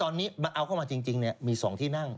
ตอนนี้เอาเข้ามาจริงมี๒ที่นั่ง